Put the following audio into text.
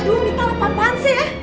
aduh mita lupa apaan sih ya